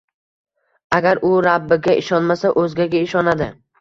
Agar u Rabbiga ishonmasa, o‘zgaga ishonadi.